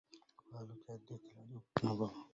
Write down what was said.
قالوا تعديت الحدود بنظرة